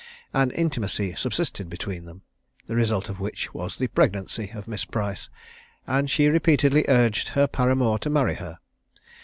An intimacy subsisted between them, the result of which was the pregnancy of Miss Price; and she repeatedly urged her paramour to marry her.